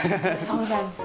そうなんです。